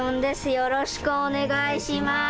よろしくお願いします。